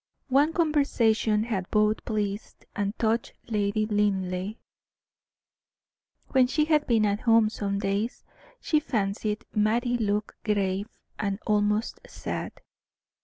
One conversation had both pleased and touched Lady Linleigh. When she had been at home some days she fancied Mattie looked grave and almost sad.